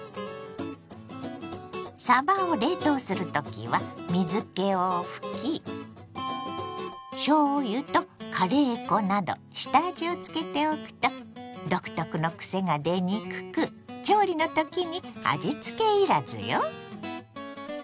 さばを冷凍する時は水けを拭きしょうゆとカレー粉など下味をつけておくと独特のくせが出にくく調理の時に味つけ要らずよ。